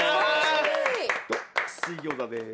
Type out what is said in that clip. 水餃子です。